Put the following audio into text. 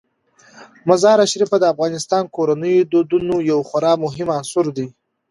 مزارشریف د افغان کورنیو د دودونو یو خورا مهم عنصر دی.